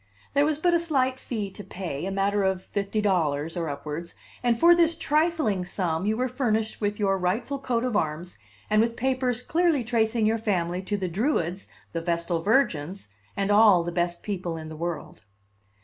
There was but a slight fee to pay, a matter of fifty dollars or upwards, and for this trifling sum you were furnished with your rightful coat of arms and with papers clearly tracing your family to the Druids, the Vestal Virgins, and all the best people in the world.